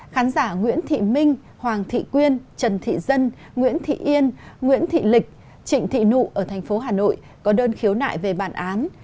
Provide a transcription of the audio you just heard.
khán giả nguyễn thị minh hoàng thị quyên trần thị dân nguyễn thị yên nguyễn thị lịch trịnh thị nụ ở thành phố hà nội có đơn khiếu nại về bản án